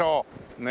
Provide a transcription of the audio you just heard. ねえ。